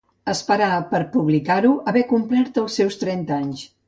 Esperà per a publicar-lo haver complert els seus trenta anys.